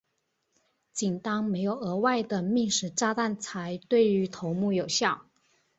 仅当没有额外的命时炸弹才对于头目有效。